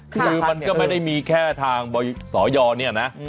คือมันก็ไม่ได้มีแค่ทางสอยเนี่ยนะ